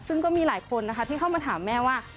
ซึ่งก็มีหลายคนนะคะที่เข้ามาถามแม่ว่า